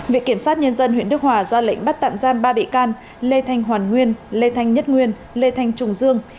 viện kiểm sát nhân dân huyện đức hòa ra lệnh bắt tạm giam ba bị can lê thanh hoàn nguyên lê thanh nhất nguyên lê thanh trùng dương